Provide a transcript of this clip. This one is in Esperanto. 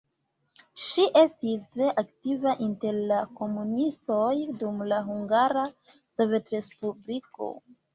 Ŝi estis tre aktiva inter la komunistoj dum la Hungara Sovetrespubliko.